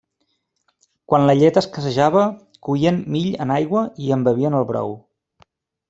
Quan la llet escassejava, coïen mill en aigua i en bevien el brou.